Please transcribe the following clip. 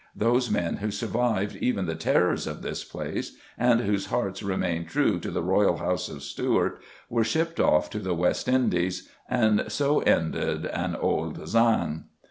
Those men who survived even the terrors of this place, and whose hearts remained true to the royal house of Stuart, were shipped off to the West Indies, and so ended "an auld sang."